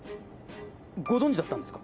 ご存じだったんですか！？